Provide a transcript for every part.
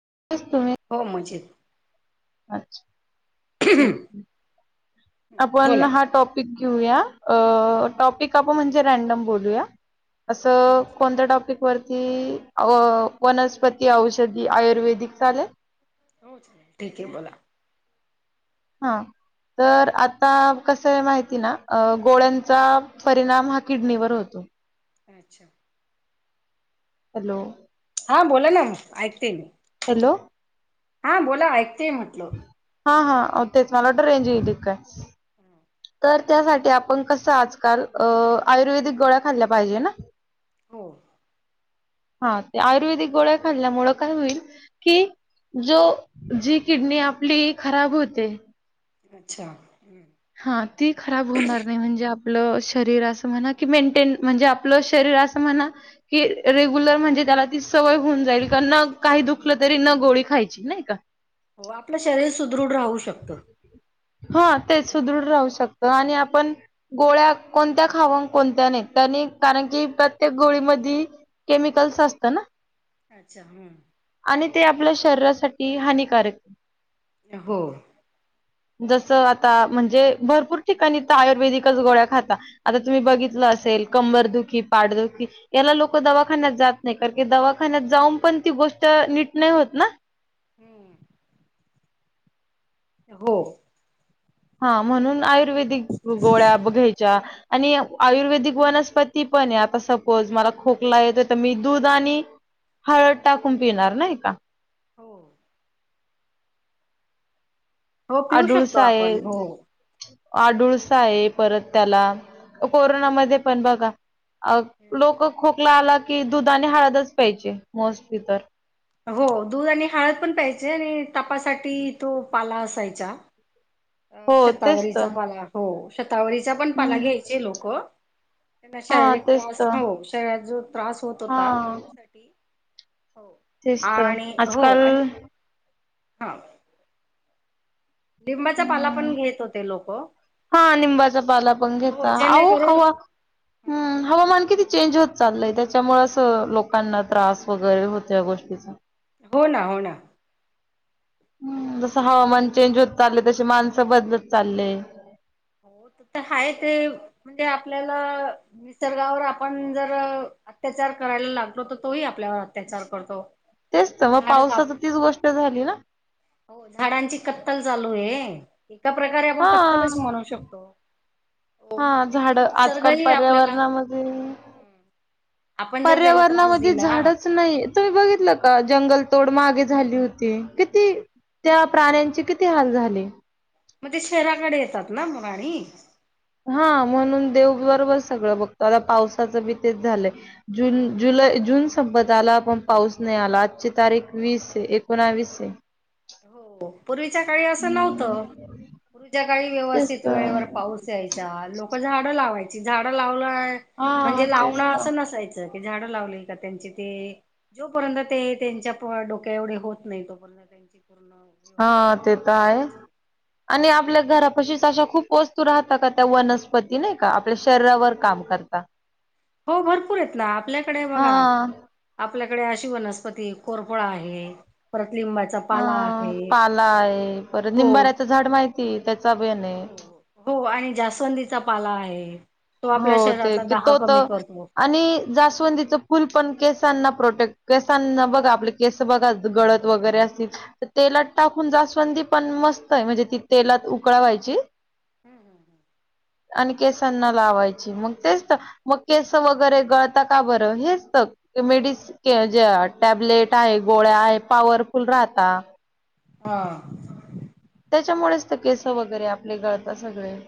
[inaudible] हो मजेत. अच्छा हम हम आपण बोला हा टॉपिक घेऊया. अ टॉपिक आपण म्हणजे रँडम बोलूया. हो असं कोणत्या टॉपिक वर की अ वनस्पती औषधी आयुर्वेदिक चालेल? ठीक आहे बोला. हां. तर आता कस आहे माहिती ना गोळ्यांचा परिणाम हा किडनीवर होतो, हम. [inaudible] हॅलो. हां बोला ना म ऐकते मी. हॅलो, हा बोला ऐकतेय म्हटल. हां हां तेच मला वाटलं रेंज गेली की काय. [inaudible] तर त्यासाठी आपण कसं आज काल आयुर्वेदिक गोळ्या खाल्ल्या पाहिजे ना? हो. हा ते आयुर्वेदिक गोळ्या खाल्ल्यामुळ काय होईल की जो जी किडनी आपली खराब होते अच्छा, हां ती खराब होणार नाही म्हणजे आप पल शरीर अस म्हणा की मेंटेन म्हणजे आपलं शरीर अस म्हणा कि रेग्युलर म्हणजे त्याला ती सवय होऊन जाईल का न सुदृढ काही दुखलं तरी न गोळी खायची नाही का? हो आपलं शरीर सुदृढ राहू शकत. ते सुदृढ राहू शकत, आणि आपण गोळ्या कोणत्या खाऊ कोणत्या नाही त्यांनी कारण प्रत्येक गोळीमधी केमिकल्स असत ना? अच्छा हम्म. आणि ते आपल्या शरीरासाठी हानिकारक हो. जस आता म्हणजे भरपूर ठिकाणी आयुर्वेदिकच गोळ्या खाता आता तुम्ही बघितलं असेल कंबर दुःखी, पाट दुःखी याला लोक दवाखान्या जात नाही कारण की दवाखान्यात जाऊन पण ती गोष्ट नीट नाही होत ना? हम्म. हो. हा, म्हणून आयुर्वेदिक गोळ्या ब घ्यायच्या, आणि आयुर्वेदिक वनस्पती पण आहे. आता सपोज मला खोकला येतोय तर मी दूध आणि हळद टाकून पिणार नाही का? हो हो पिऊ शकतो आडूळसा आहे, आपण हो आडूळसा आहे, परत त्याला कोरोनामध्ये पण बघा अ लोक खोकला आला की दुध आणि हळदच प्यायची. मोस्टली तर. हो दूध आणि हळद पण प्यायचे. आणि तपासाठी तो पाला असायचा. अ हो तेच तर शतावरीचा पाला, हो शतावरीचा पण पाला हम्म घ्यायचे लोक. त्यांना हा शारीरिक तेच त्रास तर हो शरीरात जो त्रास होत हा होता त्याच्यासाठी. हो तेच तर आणि हो आजकाल आणि हा लिंबाचा पाला हम्म पण घेत होते लोक हा निंबाचा पाला पण हो घेता अहो जेणेकरून हवा हवामान किती चेंज होत चालय त्याच्यामुळे अस लोकांना त्रास वगैरे होत या गोष्टीचा हो ना हो ना हम् जस हवामान चेंज होत चालले तशी माणसं बदलत चालले हो त तर हाय ते म्हणजे आपल्याला निसर्गावर आपण जर अत्याचार करायला लागलो तर तोही आपल्यावर अत्याचार विचार करतो तेच तर मग झाड काप पावसाच तीच गोष्ट झाली ना हो झाडांची कत्तल चालू आहे एका प्रकारे आपण हा कत्तलच म्हणू शकतो हो हा मग ते झाड आजकाल निसर्गही आपल्याला पर्यावरणामध्ये हम्म आपण जर त्याला त्रास पर्यावरणामध्ये दिला झाडच नाही तुम्ही बघितलं का जंगल तोड मागे झाली होती किती त्या प्राण्यांची किती हाल झाले. मग ते शहराकडे येतात ना मग राणी हा म्हणून देव बरोबर सगळं बघतो आता पावसाचं बी तेच झालंय जून जु जून संपत आला पण पाऊस नाही आला आजची तारीख वीस आहे एकोणावीस आहे. [inaudible] हो. पूर्वीच्या काळी असं हम्म नव्हतं पूर्वीच्या काळी तेच व्यवस्थित तर वेळेवर पाऊस यायचा लोक झाडं लावायची झाडं लावलं हा म्हणजे तेच लावणं तर असं नसायचं. झाड लावली का त्यांचे ते जोपर्यंत ते त्यांच्या डोक्या एवढे होत नाही तोपर्यंत त्यांची पूर्ण हा व्यवस्थित ते निगा तर आहे ठेवायची. आणि आपल्या घरापशी अशा खूप वस्तू राहता का त्या वनस्पती नाही का आपल्या शरीरावर काम करता. हो भरपूर येत ना आपल्याकडे हा बघा आपल्या. अशी वनस्पती कोरफड आहे परत लिंबाचा अ पाला आहे. पाला आहे परत हो निंबाऱ्याचं झाड माहिती त्याचा बेन आहे हो हो आणि जास्वंदीचा पाला आहे. तो हो आपल्या ते शरीरातला दाह तो कमी तर करतो. आणि जास्वंदीच फुल पण केस प्रोटेक्ट केसांना बघा आप केस बघा गळत वगैरे असतील तेलात टाकून जास्वंदी पण मस्त आहे म्हणजे ती तेलात उकळवायची. हम् हम् आणि केसांना व लावायचे मग तेच तर केस वगैरे गळतात का बरं हेच तर म्हणजे मेडिसिन टॅबलेट आहे गोळ्या आहे पॉवरफुल राहता. हां त्याच्यामुळेच तर केस वगैरे आपले गळतात सगळे.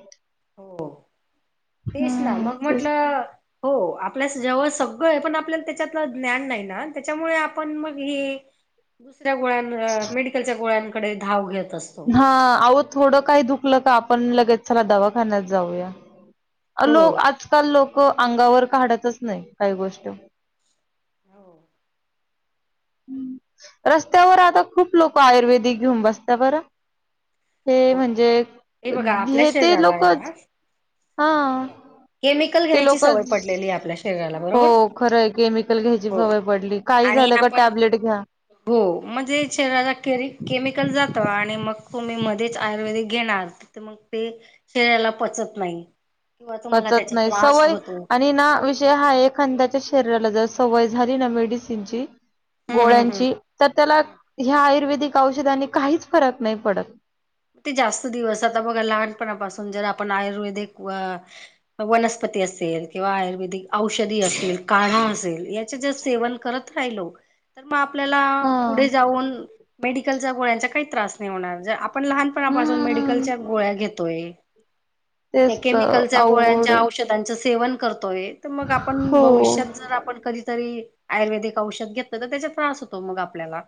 हो तेच ना हम्म मग तेच म्हटलं हो आपल्यास जेव्हा सगळं पण आपल्या त्याच्यातलं ज्ञान नाही ना त्याच्यामुळे आपण मग हे दुसऱ्या गोळ्यां मेडिकलच्या गोळ्यांकडे धाव घेत असतो हा आहो थोडं काही दुखलं का आपण लगेच चला दवाखान्यात जाऊया. अ हो. लो आजकाल लोकं अंगावर काढतच नाही काही गोष्टी ‌ हो रस्त्यावर आता खूप लोक आयुर्वेदिक घेऊन बसत्या बरं. हे म्हणजे बघा आपल्या हे ते शरीराला आहे लोकच ना हां केमिकल ते घ्यायची लोक सवय पडलेली आपल्या शरीराला हो बरोबर खरं केमिकल घ्यायची हो सवय पडली. काही आणि झालं का आपण टॅबलेट घ्या. हो म्हणजे शरीराला केमिकल जात आणि मग तुम्ही मध्येच आयुर्वेदिक घेणार मग ते शरीराला पचत नाही. किंवा तुम्हाला पचत त्याचा नाही त्रास सवय होतो आणि ना विषय हा एखद्याच्या शरीराला जस सवय झाली ना मेडिसीनची, हम्म हम्म हम्म. गोळ्यांची तर त्याला हम्म ह्या आयुर्वेदिक औषधाने काहीच फरक नाही पडत. ते जास्त दिवस आता बघा लहानपणापासून जर... आयुर्वेदिक वनस्पती असतील किंवा आयुर्वेद औषध असेल असय ह्याचे जर सेवन करत राहिलो. आपल्याला हा. पुढे जाऊन मेडिकलच्या गोळ्यांचा काही त्रास नाही होणार. पण लहानपणापासून हम्म मेडिकलच्या गोळ्या घेतोय. त्या तेच तर केमिकलच्या अवघड गोळ्यांच्या आहे. औषधां सेवन करतो आहे तर मग आपण हो. भविष्यात जर आपण कधीतरी आयुर्वेदिक औषध घेतलं तर त्याचा त्रास होतो मग आपल्याला.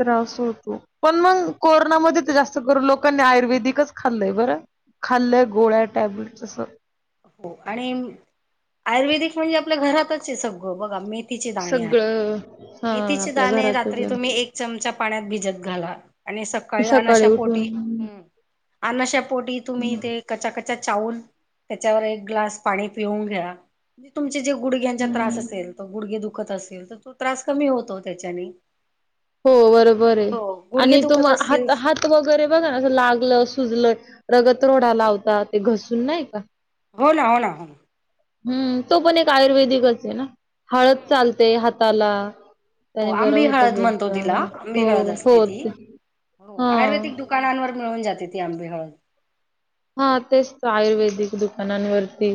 त्रास होतो पण मग कोरोनामध्ये तर जास्त करून लोकांनी आयुर्वेदिकच खाल्लंय बरं. खाल्लं गोळ टॅबलेट असं हो आणि आयुर्वेदिक म्हणजे आपल्या घरातच आहे सगळं बघा मी मथीचे दाणे आहे सगळं हा मेथीचे आपल्या दाणे रात्री घरातच तुम्ही एक चमचा पाण्यात भिजत घाला.. आणि सकाळी अनाशा पोटी.. अशा पोटी तुम्ही ते क्कचा चावल... त्याच्यावर एक ग्लास पाणी पिऊन घ्या म्हणजे तुमचे जे गुडग्यांचा त्रास असेल तर गुडगे दुख असल तर तो त्रास कमी होतो त्याच्याने.. हो बरोबर आहे. हो गुडघे आणि तुम दुखत असतील हात हात वगैरे बघा ना लागलं सुजलं.. रगत रोडा लावता ते घसून नाही का. हो ना हो ना हो ना. हम्म तो पण एक आयुर्वेदिकच आहे ना हळद चालते हाताला. हो त्यानी बरं आंबी होत हळद म्हणतो बोलता तिला आंबी हो हळद हो. असते ती हो हा आयुर्वेदिक दुकानांवर मिळून जाते ती आंबी हळ. हा तेच तर आयुर्वेदिक दुकानांवरती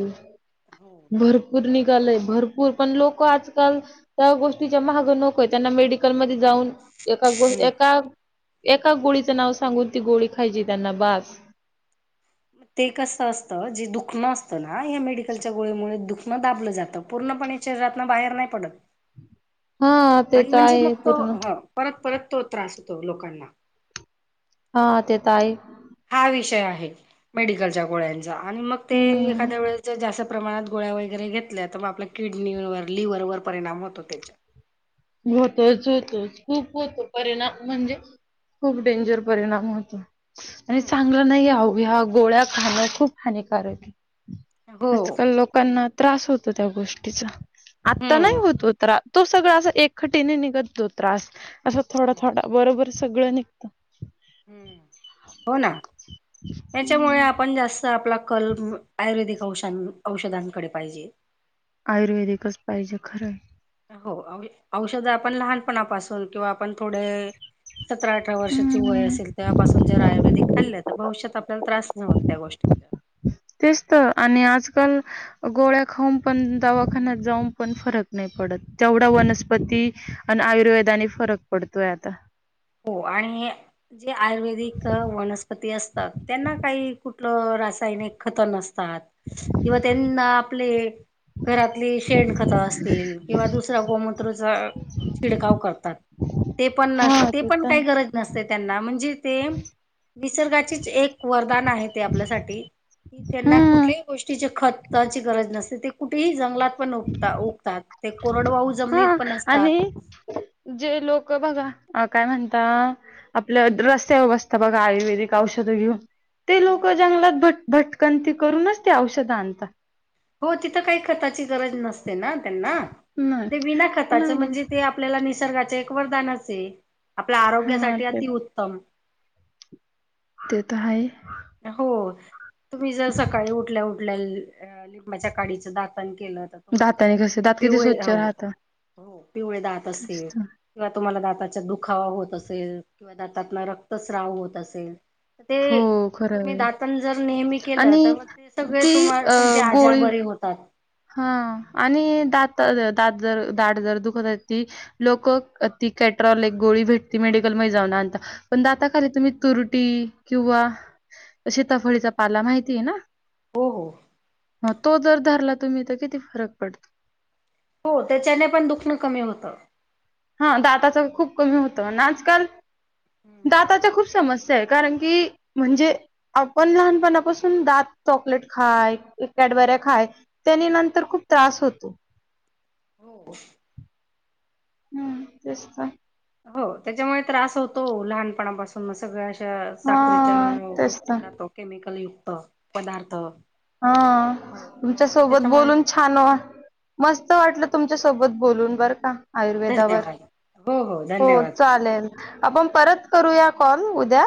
हम्म भरपूर नि... भरपूर पण लोक आजकाल त्या गोष्टी महाग नकोय त्यांना मेडिकलमध्ये जाऊन.. एका गो एका.. एका गोळीचं नाव सांगून ती गोळी खायची त्यांना बास. मग ते कसं असतं जे दुखणं असतं ना या मेडिकलच्या गोळ्यामुळे दुखणं दाबलं जातं. पूर्णपणे शरीरातन बाहेर नाही पडत. हा ते आणि तर म्हणजे आहे मग तो पूर्ण ह परत परत तो त्रास होतो लोकांना. हा ते तर आहे. हा विषय आहे मेडिकलच्या गोळ्यांचा आणि मग ते हम्म एखाद्या वेळे जास्त... प्रमाणात गोळ्या वगैरे घेतल्या तर मग आपल्या किडनीवर लिव्हर वर परिणाम होतो त्याच्या.. होतोच होत खूप होतो परिणाम म्हणजे.. खूप डेंजर परिणाम होतो. आणि चांगलं नाही अहया गोळ्या खाणं खूप हानिकारक आहे. हो आजकाल लोकांना त्रास होतो त्या गोष्टीचा आता नाही हम्म होतो तास. तो सगळ अस एकखटीने निघत तो त्रास असं थोडा थोडा बरोबर सगळं निघतं.. हो ना याच्यामुळे आपण जास्त आपला कल... आयुर्वेदिकऔष औषधांकडे पाहिजे. आयुर्वेदिकच पाहिजे खरं. हो औषध आपण लहानपणापासून किंवा आपण थोडे... सतरा अठरा वर्षाची वय हम्म असेल तेव्हापासून जे रा.. खाल्ल्या तर भविष्यात आपल्याला त्रास न होत त्या गोष्टींचा. तेच तर आणि आजकाल गोळ्या खाऊन पण दवाखान्यात जाऊन पण फरक नाही. पडत तेवढा वनस्पती आणि आयुर्वेदाने फरक पडतोय आता. हो आणि जे आयुर्वेदिक वनस्पती असतात त्यांना काही... कुठलं रासायनिक खत नसतात किंवा त्यांना आपले घरातली शेण खतं असतील किंवा दुस गोमत्रचा शीडकाव करतात ते पण न हा ते पण तर काही आहे. गरज नसते त्यांना म्हणजे ते- निसर्गाचीच एक वरदान आहे. ते आपल्यासाठी की त्यांना हम्म कुठल्याही गोष्टीचे खत ची गरज नसते ते कुठेही जंगलात पण उगतात ते कोरडवाहू जमनीत हा पण असतात. आणि जे लोक बगा काय म्हणता आपल्या रस्त्यावर बसता बघा आयुर्वेदिक औषधं घेऊन ते लोक जंगलात भट भटकंती करूनच ते औषधं आणतात. हो तिथं काही खताची गरज नसते. त्यांना त्यांना नाही. ते विना खताच नाही म्हणजे ते आपल्याला निसर्गाच एक वरदान अस आहे. आपल्या हा आरोग्यासाठी ते अतिउत्तम. ते तर आहे. हो तुम्ही जर सकाळी उठल्या उठल्या अ लिंबाच्या काडीचं दातान केलं तर दाताने कसे तुमच्या दात किती पिवळे स्वच्छ राहतात. हो पिवळे दात तेच असतील तर किंवा तुम्हाला दात चा दुखावा होत असेल किंवा दातातला रक्तस्राव होत असेल तर ते हो खरं तुम्ही आहे दातन जर नेहमी केलं आणि तर मग ते सगळे ती तुम्हा अ तुमचे आजार गोळी बरे होतात हा आणि दात, दात जर दाड जर दुखत ती लोक ती कॅट्रॉल एक गोळी भेटती मेडिकल मध्ये जाऊन आणता पण दाताखाली तुम्ही तुरटी किंवा शीताफळीचा पाला माहितीय ना हो हो. तो जर धरला तुम्ही तर किती फरक पडतो हो त्याच्याने पण दुखणं कमी होतं. हा दाताच खूप कमी होतं आणि आजकाल हम्म. दाताच्या खूप समस्या आहे कारण की म्हणजे आपण लहानपणापासून दात चॉकलेट खाय कॅडबऱ्या खाय त्यानी नंतर खूप त्रास होतो. हो. हम्म तेच का. हो त्याच्यामुळे त्रास होतो लहानपणापासून मग सगळं साखरीच्या हा तेच गोष्टी तर खातो केमिकल युक्त पदार्थ. हा हो तुमच्या हो सोबत त्याच्यामुळे बोलून छान मस्त वाटलं तुम सोबत बोलून बर का आयुर्वेदावर हो चालेल. आपण परत करूया कॉल उद्या.